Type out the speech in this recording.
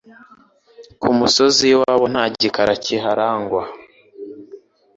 Ku musozi w' iwabo nta gikara kiharangwa